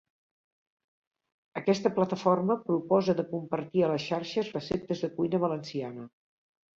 Aquesta plataforma proposa de compartir a les xarxes receptes de cuina valenciana.